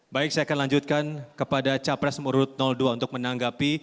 baik saya akan lanjutkan kepada capres murud dua untuk menanggapi